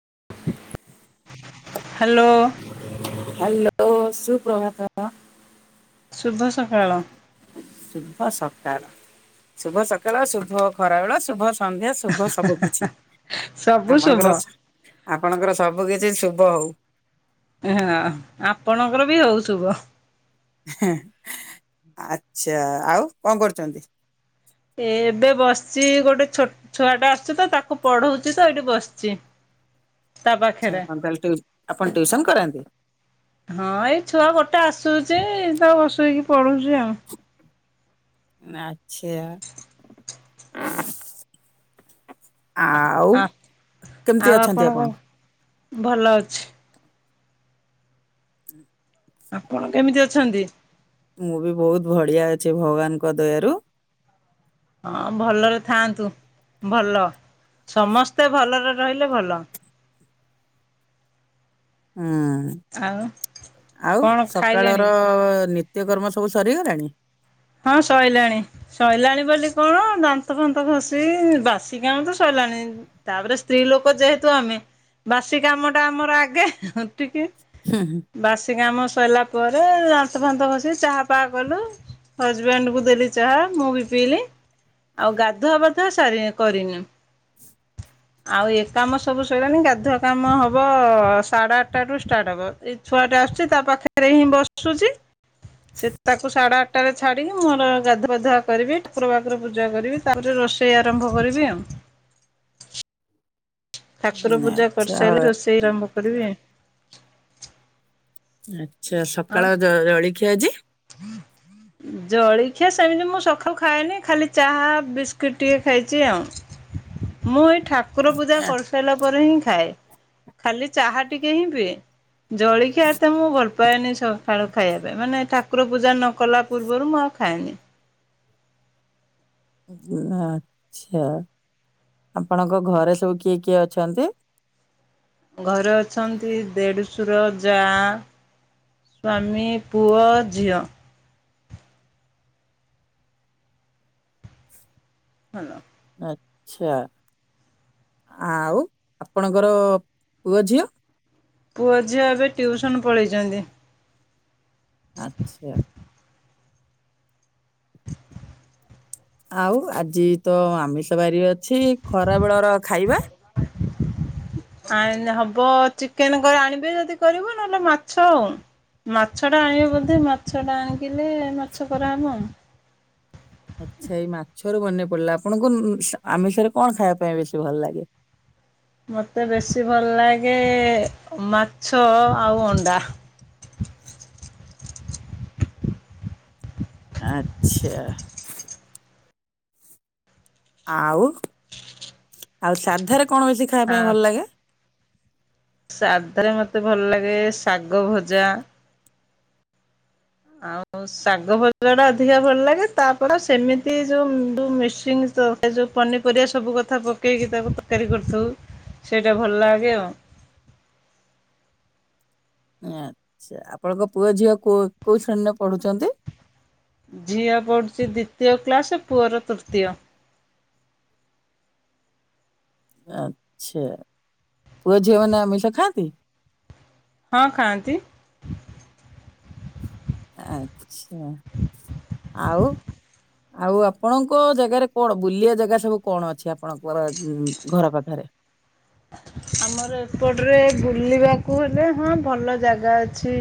[inaudible] Hello. Hello ସୁପ୍ରଭାତ। ଶୁଭ ସକାଳ। ଶୁଭ ସକାଳ ଶୁଭ ସକାଳ ଶୁଭ ଖରାବେଳ ଶୁଭ ସନ୍ଧ୍ୟା ଶୁଭ ସବୁକିଛି ସବୁ ଶୁଭ ଆପଣଙ୍କର ଆପଣଙ୍କର ସବୁ କିିଛି ଶୁ ଭ ହଉ। ହଁ ଆପଣଙ୍କର ବି ହଉ ଶୁଭ। ହେଁ ଆଚ୍ଛା ଆଉ କଣ କରୁଚନ୍ତି? ଏବେ ବସିମଚି ଗୋଟେ ଛୋଟଛୁଆଟା ଆସିଛି ତ ତାକୁ ପଢଉଛି ତ ଏଇଠି ବସଛି। [inaudible] ତା ଆଚ୍ଛା ପାଖରେ ଆପଣ ତାହେଲେ ଟିଉ- ଆପଣ ଟିଉସନ କରାନ୍ତି ହଁ ଏଇ ଛୁଆ ଗୋଟେ ଆସୁ ବସୁଛି ତା ବସେଇକି ପଢଉଛି ଆଉ। ଆଚ୍ଛା ଆ ଆଉ ଆ ଆଉ କେମିତି ଅଛନ୍ତି ଆପଣ? କଣ ଭଲ ଅଛି। ହୁଁ ଆପଣ କେମିତି ଅଛନ୍ତି? ମୁଁ ବି ବହୁତ ବଢିଆ ଅଛି ଭଗବାନଙ୍କ ଦୟାରୁ। ହଁ ଭଲରେ ଥାଆନ୍ତୁ ଭଲ। ସମସ୍ତେ ଭଲରେ ରହିଲେ ଭଲ। ହୁଁ ଆଉ ଆଉ କଣ ଖାଇଲେଣି ସକାଳର ନି ନିତ୍ୟକର୍ମ ସବୁ ସରିଗଲାଣି? ହଁ ସଇଲାଣି ସଇଲାଣି ବୋଲି କଣ ଦାନ୍ତଫାନ୍ତ ଘଷି ବାସି କାମ ତ ସରି ଲାଣି ତାପରେ ସ୍ତ୍ରୀ ଲୋକ ଯେହେତୁ ଆମେ ବାସି କାମ ଟା ଆମର ଆଗେ ଟିକେ ହୁଁ, ବାସି କାମ ସଇଲା ପରେ ଦାନ୍ତ ଫାନ୍ତ ଘଷି ଚାହା ଫାହା କଲୁ ହଜବ୍ୟାଣ୍ଡକୁ ଦେଲି ଚାହା ମୁଁ ବି ପିଇଲି ଆଉ ଗାଧୁଆପାଧୁଆ ସାରି କରିନି। ହ [inaudible] ଆଉ ଏ କାମ ସବୁ ସଇଲାଣି ଗାଧୁଆ କାମ ହବ ସାଢେ ଆଠଟା ଠୁ ଷ୍ଟାର୍ଟ ହବ ଏ ଛୋ ଟ ଛୁଆଟେ ଆସୁଛି ତା ପାଖରେ ହିଁ ବସୁଛି ସେ ତାକୁ ସାଢ଼େ ଆ ଠଟାରେ ଛାଡ଼ିବି। ମୋର ଗାଧୁଆପାଧୁଆ କରିବି ଠାକୁରବାକୁର ପୂଜା କରିବି ତାପରେ ରୋଷେଇ ଆରମ୍ଭ କରିବି ଆଉ। [inaudible] ଠାକୁର ହୁଁ। ପୂଜା ଆଚ୍ଛା କରିସାରିଲେ ରୋଷେଇ ଆରମ୍ଭ କରିବି। ଆଚ୍ଛା ଆଉ ସକାଳ ଜଳଖିଆ ଆଜି? ଜଳଖିଆ ସେମିତି ମୁଁ ସକାଳୁ ଖାଏନି ଖାଲି ଚାହ ବିସ୍କିଟ ଟିକେ ଖାଇଛି ଆଉ। ମୁଁ ଏଇ ଠାକୁର ପୂଜା ଆ, କରିସାରିଲା ପରେ ହିଁ ଖାଏ ଖାଲି ଚାହା ଟିକେ ହିଁ ପିଏ ଜଳଖିଆ ଏତେ ମୁଁ ଭଲ ପାଏନି ସକାଳୁ ଖାଇବା ପାଇଁ ମାନେ ଠାକୁର ପୂଜା ନ କଲା ପୂର୍ବରୁ ମୁଁ ଆଉ ଖାଏନି। ଆ ଛା ଆପଣଙ୍କ ଘରେ ସବୁ କିଏ କିଏ ଅଛନ୍ତି? ଘରେ ଅଛନ୍ତି ଦେଢଶୁର ଯା ସ୍ଵାମୀ ପୁଅ ଝିଅ। ହାଲୋ। ଆଚ୍ଛା। ଆଉ ଆପଣଙ୍କର ପୁଅ ଝିଅ ପୁଅ ଝିଅ ଏବେ ଟ୍ୟୁସନ ପଳେଇଛନ୍ତି। ଆଛା। ଆଉ ଆଜି ତ ଆମିଷ ବାରି ଅଛି ଖରା ବେଳର ଖାଇବା? [unintelligible] ଆ ହବ ଚିକେନ କରି ଆଣିବେ ଯଦି କରିବ ନହେଲେ ମାଛ ଆଉ। ମାଛ ଟା ଆଣିବେ ବୋଧେ ମାଛ ଟା ଆଣିକିନି ମାଛ ଖରାହବ। [unintelligible] ଆଚ୍ଛା ଏଇ ମାଛରୁ ମନେ ପଡିଲା ଆପଣଙ୍କୁ ଆମିଷରେ କଣ ଖାଇବା ପାଇଁ ବେଶୀ ଭଲ ଲାଗେ? [inaudible] ମତେ ବେଶୀ ଭଲ ଲାଗେ ମାଛ ଆଉ ଅଣ୍ଡା। ଆଛା। ଆଉ ଆଉ ସାଧାରେ କଣ ବେଶୀ ଖାଇବା ପାଇଁ ଭଲ ଲାଗେ? ସାଧା ରେ ମତେ ଭଲ ଲାଗେ ଶାଗ ଭଜା ଆଉ ଶାଗ ଭଜା ଟା ଅଧିକା ଭଲ ଲାଗେ ତାପରେ ସେମିତି ଯୋଉ ମିଶିଁ ତ ସେ ଯୋଉ ପନିପରିବା ସବୁ କଥା ପକେଇକି ତାକୁ ତରକାରୀ କରିଥାଉ ସେଇଟା ଭଲ ଲାଗେ ଆଉ। [inaudible] ଆଛା ଆପଣଙ୍କ ପୁଅ ଝିଅ କୋଉ ଶ୍ରେଣୀରେ ପଢୁଛନ୍ତି? ଝିଅ ପଢୁଛି ଦ୍ଵିତୀୟ କ୍ଲାସ ପୁଅର ତୃତୀୟ। [unintelligible] ଆଛା ପୁଅ ଝିଅ ମାନେ ଆମିଷ ଖାଆନ୍ତି? ହଁ ଖାଆନ୍ତି। ଆଛା ଆଉ ଆଉ ଆପଣଙ୍କ ଜାଗାରେ କଣ ବୁଲିିବା ଜାଗା ସବୁ କଣ ଅଛି ଆପଣଙ୍କର ଘର ପାଖରେ। [unintelligible] ଆମର ଏପଟରେ ବୁଲିବାକୁ ହେଲେ ହଁ ଭଲ ଜାଗା ଅଛି।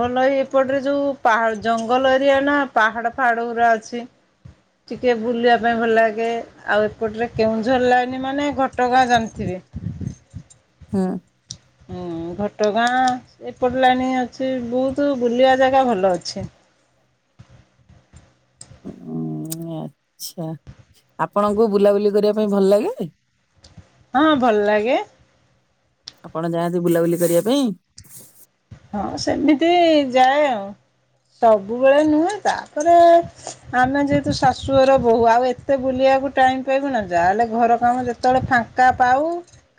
ଭଲ ଏଇ ଏପଟରେ ଯୋଉଁ ପାହା ଜଙ୍ଗଲ ଏରିଆ ନାଁ ପାହାଡ ଫାହାଡ ଗୁରା ଅଛି। ଟିକେ ବୁଲିବା ପାଇଁ ଭଲ ଲାଗେ ଆଉ ଏପଟରେ କେଉଁଝର ଲାଇନି ମାନେ ଘଟଗାଁ ଜାଣିଥିବେ। [unintelligible] ହୁଁ। ହୁଁ ଘଟଗାଁ ଏପଟ ଲାଇନ ଅଛି ବହୁତ ବୁଲିବା ଜାଗା ଭଲ ଅଛି। ହୁଁ। ଆଛା ଆପଣଙ୍କୁ ବୁଲାବୁଲି କରିବା ପାଇଁ ଭଲ ଲାଗେ? ହଁ ଭଲ ଲାଗେ। ଆପଣ ଯାଆନ୍ତି ବୁଲାବୁଲି କରିବା ପାଇଁ? ହଁ ସେମିତି ଯାଏ ଆଉ। ସବୁବେଳେ ନୁହେଁ ତାପରେ ଆମେ ଯେହେତୁ ଶାଶୁ ଘର ବୋହୂ ଆଉ ଏତେ ବୁଲିବା ଯା ହଉ ଟାଇମ୍ ପାଇବନା ଯାହା ହେଲେ ଘର କାମ ଯେତେବେଳେ ଫାଙ୍କା ପାଉ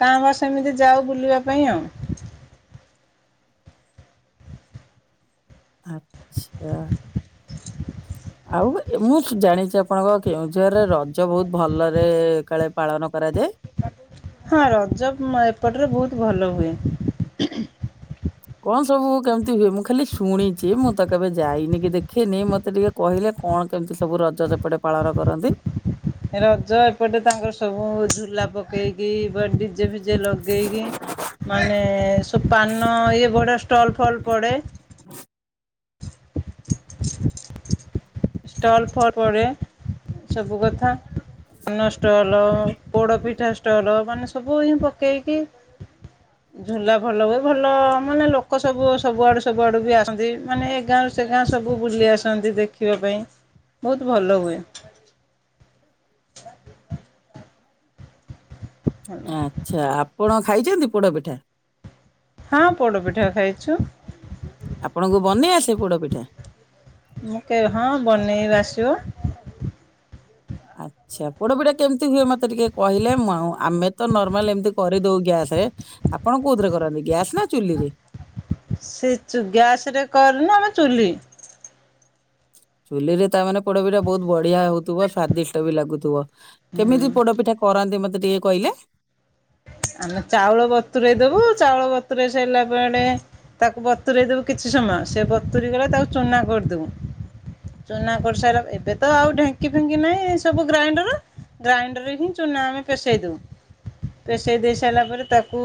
କାଁ ଭା ସେମିତି ଯାଉ ବୁଲିବା ଲିବା ପାଇଁ ଆଉ। ଆଛା। ଆଉ ଏ ମୁଁ ଜାଣିଛି ଆପଣଙ୍କ କେଉଁଝରରେ ରଜ ବହୁତ ଭଲରେ କାଳେ ପାଳନ କ କରାଯାଏ। ହଁ ରଜ ମ ଏପଟରେ ବହୁତ ଭଲ ହୁଏ ହୁଁ ହୁଁ। କଣ ସବୁ କେମିତି ହୁଏ ମୁଁ ଖାଲି ଶୁଣିଛି ମୁଁ ତ କେବେ ଯାଇନି କି ଦେଖିନି ମତେ ଟିକେ କହିଲେ କଣ କେମିତି ସବୁ ରଜ ସେପଟେ ପାଳନ କରନ୍ତି? ରଜ ଏପଟେ ତାଙ୍କର ସବୁ ଝୁଲା ପକେଇକି ବା ଡିଜେ ଫିଜେ ଲଗେଇକି ମାନେ ସବୁ ପାନ ଇଏ ବଡ ଷ୍ଟଲ୍ ଫଲ୍ ପଡେ ଷ୍ଟଲ୍ ଫଲ୍ ପଡେ। ସବୁ କଥା ପାନ ଷ୍ଟଲ୍ ପୋଡ ପିଠା ଷ୍ଟଲ୍ ମାନେ ସବୁ ହିଁ ପକେଇକି ଝୁଲା ଭଲ ହୁଏ ଭଲ ମାନେ ଲୋକ ସବୁ ସବୁଆଡୁ ସବୁଆଡୁ ବି ଆସନ୍ତି ମାନେ ଏ ଗାଁ ରୁ ସେ ଗାଁ ସବୁ ବୁଲି ଆସନ୍ତି ଦେଖିବା ପାଇଁ ବହୁତ ଭଲ ହୁଏ। ଭଲ ଆଛା ଆପଣ ଖାଇଛନ୍ତି ପୋଡ ପିଠା? ହଁ ପୋଡ ପିଠା ଖାଇଛୁ। ଆପଣଙ୍କୁ ବନେଇ ଆସେ ପୋଡ ପିଠା? ମୁଁ କେ ହଁ ବନେଇବା ଆସିବ। ଆଛା ପୋଡ ପିଠା କେମିତି ହୁଏ ମତେ ଟିକେ କହିଲେ ମୁଁ ଆଉ ଆମେ ତ ନର୍ମାଲ୍ ଏମିତି କରିଦଉ ଗ୍ୟାସ୍ ରେ ଆପଣ କୋଉଥିରେ କରନ୍ତି ଗ୍ୟାସ୍ ନା ଚୁଲିରେ? ସେ ଯୋଉ ଗ୍ୟାସ୍ ରେ କରନା ନା ଚୁଲି? ଚୁଲି ରେ ତା ମାନେ ପୋଡ ପିଠା ବହୁତ ବଢ ବଢିଆ ହଉଥିବ ସ୍ଵାଦିଷ୍ଟ ବି ଲାଗୁଥିବ ହୁଁ କେମିତି ପୋଡ ପିଠା କରାନ୍ତି ମତେ ମତେ ଟିକେ କହିଲେ। ଆମେ ଚାଉଳ ବତୁରେଇ ଦବୁ ଚାଉଳ ବତୁରେଇ ସାରିଲା ପରେ ତାକୁ ବତୁରେଇ ଦେଲୁ କି କିଛି ସମୟ ସେ ବତୁରି ଗଲେ ତାକୁ ଚୁନା କରିଦବୁ ଚୁନା କରିସାଇଲା ଏବେ ତ ଆଉ ଢେଙ୍କି ଫେଙ୍କି ନାହିଁ ସବୁ ଗ୍ରାଇଣ୍ଡର ଗ୍ରାଇଣ୍ଡରେ ହିଁ ଚୁନା ଆମେ ପେସେଇ ଦଉ। ପେସେଇ ଦେଇ ସାଇଲା ପରେ ତାକୁ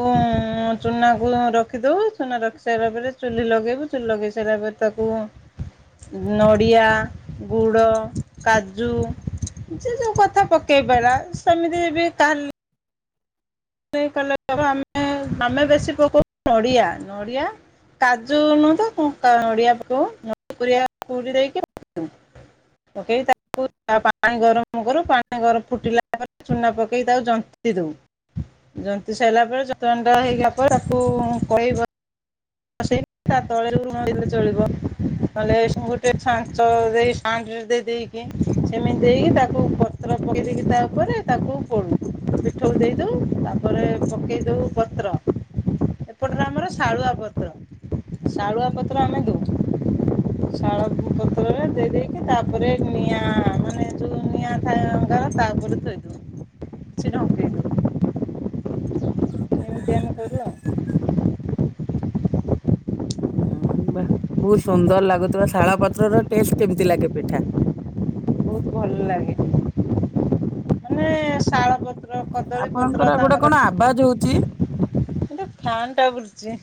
ଚୁନାକୁ ରଖିଦଉ ଚୁନା ରଖି ସାଇଲା ପରେ ଚୁଲି ଲ ଲଗେଇବୁ ଚୁଲି ଲଗେଇ ସାରିଲା ପରେ ତାକୁ ନଡ଼ିଆ ଗୁଡ଼ କାଜୁ ଯେ ଯୋଉ କଥା ପକେଇ ପାଇଲା ସେମିତି ବି କାହା ତମେ କଲର ଦବ ଆମେ ଆମେ ବେଶୀ ପକଉଛୁ ନଡ଼ିଆ ନଡ଼ିଆ କାଜୁ ନୁହଁ ତ କଁ ନଡିଆ ପକେଇବ ନଡ଼ିଆ କୁରିଆ କୁରି ଦେଇକି ପକେଇବ। ପକେଇ ତାକୁ ପାଣି ଗରମ କରୁ ପାଣି ଗରମ ଫୁଟିଲା ପରେ ଚୁନା ପକେଇ ତାକୁ ଯନ୍ତୁ ନ୍ତି ଦଉ ଯନ୍ତି ସାରିଲା ପରେ ସିଏ ଥଣ୍ଡା ହେଇଗଲା ପରେ ତାକୁ କଢେଇ ବ ସେଇ ତା ତଳେ ଲୁଣ ଦେଇଦେଲେ ଚଳିବ ନହେଲେ ଏଇ ସମୟରେ ଗୋଟେ ଛାଞ୍ଚ ଦେଇ ଷ୍ଟାଣ୍ଡ୍ ରେ ଦେଇ ଦେଇକି ସେମିତି ଦେଇକି ତାକୁ ପତ୍ର ପକେଇ ଦେଇକି ତା ଉପରେ ତାକୁ ପୋଡୁ। ସବୁ ଦେଇ ଦଉ ତାପରେ ପକେଇ ଦଉ ପତ୍ର ଏପଟରେ ଆମର ଶାଳୁଆ ପ ପତ୍ର ଶାଳୁଆ ପତ୍ର ଆମେ ଦଉ ଶାଳ ପତ୍ରରେ ଦେଇ ଦେଇକି ତାପରେ ନିଆଁ ମାନେ ଯୋଉ ନିଆଁ ଥାଏ ଅଙ୍ଗାର ତା ଉପରେ ଥୋଇଦଉ ସେଇଟା ଉଠେଇଦଉ। ଏମିତି ଆମେ କରୁ ଆଉ। ଉଁ ବା ବହୁତ ସୁନ୍ଦର ଲାଗୁଥିବା ଶାଳ ପତ୍ରର ଟେଷ୍ଟ କେମିତି ଲାଗେ ପିଠା? ବହୁତ ଭଲ ଲାଗେ ମାନେ ଶାଳ ପତ୍ର ପତ୍ର କଦଳୀ ପତ୍ର ଆପଣଙ୍କର ଗୋଟେ କଣ ତାଙ୍କର ଆବାଜ ହଉଛି ଏଇଟା ଫ୍ୟାନ୍ ଟା ବୁଲୁଛି।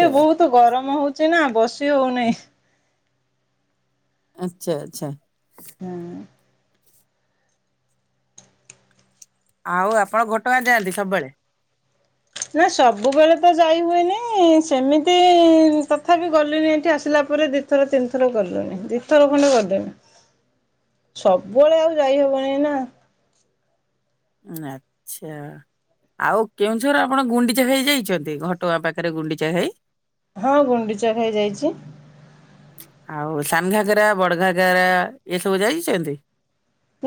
ଏ ବହୁତୁ ଗରମ ହଉଚି ନା ବସି ହଉନେଇ। ଆଚ୍ଛା ଆଚ୍ଛା। ହୁଁ। ଆଉ ଆପଣ ଘଟଙ୍ଗା ଯାଆନ୍ତି ସବୁବେଳେ? ନା ସବୁବେଳେ ତ ଯାଇ ହୁଏନି ସେମିତି ତଥାପି ଗଲିଣିି ଏଠି ଆସିଲା ପରେ ଦି ଥର ତିନିଥର ଗଲୁଣି ଦିଇଥର ଖଣ୍ଡେ ଗଲିଣି। ହଁ ସବୁବେଳେ ଆଉ ଯାଇହବନି ନା। ଆଚ୍ଛା। ଆଉ କେଉଁଝର ଆପଣ ଗୁଣ୍ଡିଚା ଘାଇ ଯାଇଚନ୍ତି? ଘଟଗାଁ ପାଖରେ ଗୁଣ୍ଡିଚା ଘାଇ। ହଁ ଗୁଣ୍ଡିଚା ଘାଇ ଯାଇଚି। ଆଉ ସାନଘାଗରା ବଡଘାଗରା ଏସବୁ ଯାଇଚନ୍ତି?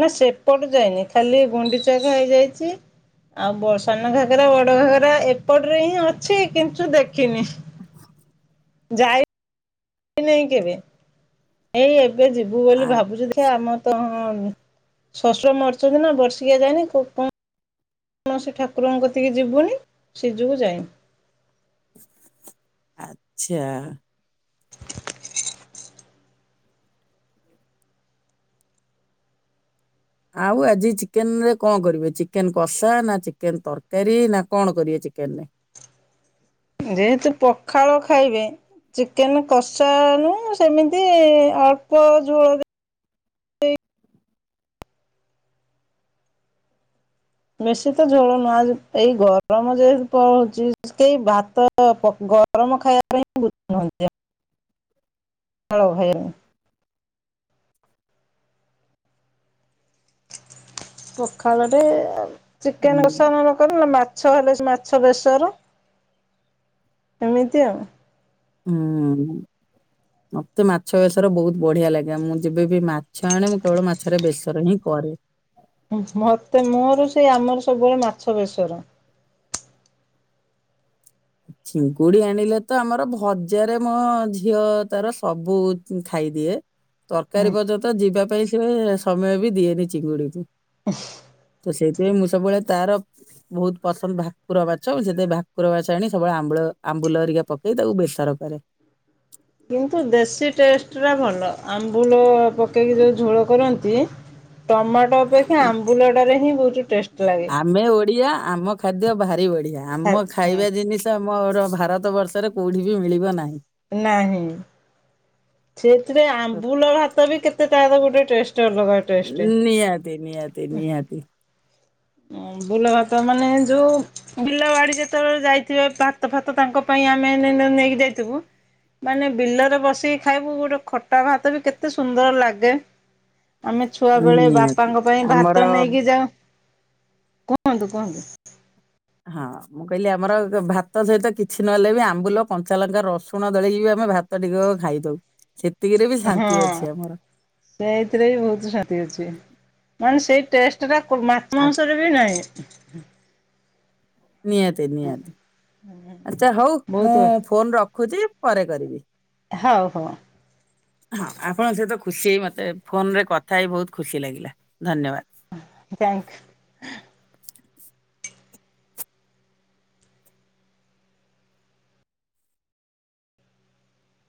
ନା ସେପଟ ଯାଇନି ଖାଲି ଗୁଣ୍ଡିଚାଘାଇ ଯାଇଚି। ଆଉ ବ ସାନଘାଗରା ବଡଘାଗରା ଏପଟରେ ହିଁ ଅଛି କିନ୍ତୁ ଦେଖିନି। ଆଛ [inaudible] ଯାଇ ନାଇଁ କେବେ ଏଇ ଏବେ ଯିବୁ ଆ ବୋଲି ଭାବୁଚୁ ଦେଖିଆ ଆମ ତ ଶଶୁର ମରିଚନ୍ତି ନା ବର୍ଷିକିଆ ଯାଇନି। କୋଉ କ କୌଣସି ଠାକୁରଙ୍କ କତିକି ଯିବୁନି ସେଇ ଯଉ ଯାଇନି। ଆଚ୍ଛା। [inaudible] ଆଉ ଆଜି ଚିକେନ ରେ କଣ କରିବ ଚିକେନ କଷା ନା ଚିକେନ ତରକାରୀ ନା କଣ କରିବେ? ଚିକେନ ରେ ଯେହେତୁ ପଖାଳ ଖାଇବେ ଚିକେନ କଷା ଣୁ ସେମିତି ଅଳ୍ପ ଝୋଳ ଦେ ବେଶୀ ତ ଝୋଳ ନୁହଁ ଆଜି ଏଇ ଗରମ ଯେହେତୁ ପଉଚି ସେଇ ଭାତ ପ ଗରମ ଖାଇବା ପାଇଁ [unintelligible] ବୁଝନ୍ତି [inaudible] ହଳ ଭାଇନ ପଖାଳ ରେ ହୁଁ ଚିକେନ କଷା [unintelligible] ମାଛ ହେଲେ ମାଛ ବେଶର। ଏମିତି ଆଉ। ହୁଁ। ମତେ ମାଛ ବେସର ବହୁତ ବଢିଆ ଲାଗେ ମୁଁ ଯେବେବି ମାଛ ଆଣେ ମୁଁ କେବଳ ମାଛରେ ବେସର ହିଁ କ କରେ। ମତେ ମୋର ସେଇ ଆମର ସବୁବେଳେ ମାଛ ବେସର। ଚିଙ୍ଗୁଡି ଆଣିଲେ ତ ଆମର ଭଜାରେ ମୋ ଝିଅ ତାର ସବୁ ଖାଏ। ଖାଇଦିଏ ତରକାରୀ ପର୍ଯ୍ୟନ୍ତ ଯିବା ପାଇଁ ସେ ସମୟ ବି ଦିଏନି ଚିଙ୍ଗୁଡିକୁ। [inaudible] ତ ସେଇଥିପାଇଁ ମୁଁ ସବୁବେଳେ ତାର ବହୁତ ପସନ୍ଦ ଭାକୁର ମାଛ ସେଥିପାଇଁ ଭାକୁର ମାଛ ଆଣି ସବୁବେଳେ ଆମ୍ବଳ ଆମ୍ବୁଲ ହେରିକା ପକେଇ ତାକୁ ବେସର କରେ। କିନ୍ତୁ ଦେଶୀ ଟେଷ୍ଟ ଟା ଭଲ ଆମ୍ବୁଲ ପକେଇକି ଯୋଉ ଝୋଳ କରନ୍ତି। ଟମାଟୋ ଅପେକ୍ଷା ଆମ୍ବୁଲଟାରେ ହିଁ ବହୁ ଟେଷ୍ଟ। ଲାଗେ ଆମେ ଓଡିଆ ଆମ ଖାଦ୍ୟ ଭାରି ବଢ଼ିଆ ଖା ଆମ ଖାଇବା ଜିନିଷ ମୋର ଭାରତ ବର୍ଷରେ କଉଠି ବି ମିଳିବ ନାହିଁ। ନାହିଁ। ସେଥିରେ ଆମ୍ବୁଲ ଭାତ ବି କେତେ ତାର ଗୋଟେ ଟେଷ୍ଟ। ଅଲଗା ଟେଷ୍ଟ ନିହାତି ନିହାତି ନିହାତି। ଆମ୍ବୁଲ ଭାତ ମାନେ ଯୋଉ ବିଲ ବାଡି ଯେତେବେଳେ ଯାଇଥିବେ ଭାତ ଫାତ ତାଙ୍କ ପାଇଁ ଆମେ ନେଇକି ଯାଇଥିବୁ। ମାନେ ବିଲରେ ବସିକି ଖାଇବୁ ଗୋଟେ ଖଟା ଭାତ ବି କେତେ ସୁନ୍ଦର ଲାଗେ। ଆମେ ଛୁଆ ବେଳେ ନିହାତି ବାପାଙ୍କ ପାଇଁ ଆମର ଭାତ ନେଇକି ଯାଉ। କୁହନ୍ତୁ କୁହନ୍ତୁ। ହଁ ମୁଁ କହିଲି ଆମର ଭାତ ସହିତ କିଛି ନହେଲେ ବି ଆମ୍ବୁଲ କଞ୍ଚାଲଙ୍କା ରସୁଣ ଦଳିକି ଆମେ ଭାତ ଟିକକ ଖାଇଦଉ। ସେତିକିରେ ବି ହଁ ଶାନ୍ତି ଅଛି ଆମର। ସେଇଥିରେ ବି ବହୁତ ଶାନ୍ତି ଅଛି ମାନେ ସେଇ ଟେଷ୍ଟ ଟା ମାଛ ଆ- ମାଂସରେ ବି ନାହିଁ। ନିହାତି ନିହାତି ଆଛା ହୋଉ ବହୁତ ମୁଁ ଫୋନ ରଖୁଛି ପରେ କରିବି। ହଉ ହଉ ହଁ ଆପଣ ସହିତ କ ଖୁସି ମତେ ଫୋନ ରେ କଥା ହେଇ ବହୁତ ଖୁସି ଲାଗିଲା। ଧନ୍ୟବାଦ। ଥ୍ୟାଙ୍କ।